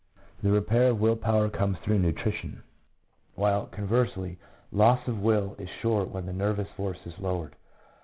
The repair of will power comes through nutrition, while, conversely, loss of will is sure when the nervous force is lowered.